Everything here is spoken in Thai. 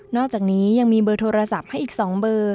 อกจากนี้ยังมีเบอร์โทรศัพท์ให้อีก๒เบอร์